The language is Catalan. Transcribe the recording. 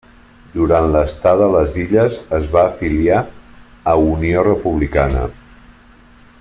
Durant l'estada a les illes es va afiliar a Unió Republicana.